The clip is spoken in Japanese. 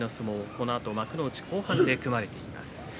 このあと幕内後半で組まれています。